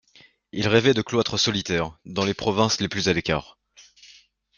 Il rêvait de cloîtres solitaires, dans les provinces les plus à l'écart.